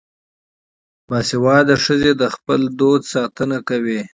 باسواده ښځې د خپل کلتور ساتنه کوي.